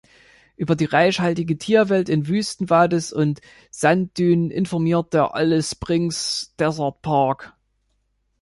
Über die reichhaltige Tierwelt in Wüsten-Wadis und Sanddünen informiert der Alice Springs Desert Park.